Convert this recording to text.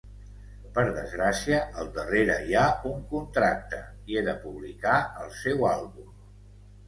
Per desgràcia al darrere hi ha un contracte i he de publicar el seu àlbum.